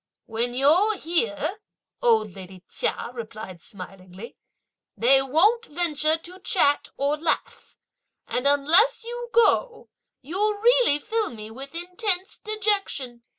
"When you're here," old lady Chia replied smilingly, "they won't venture to chat or laugh; and unless you go, you'll really fill me with intense dejection!